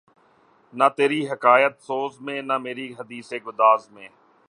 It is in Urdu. نہ تری حکایت سوز میں نہ مری حدیث گداز میں